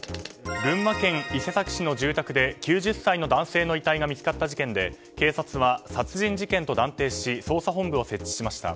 群馬県伊勢崎市の住宅で９０歳の男性の遺体が見つかった事件で警察は殺人事件と断定し捜査本部を設置しました。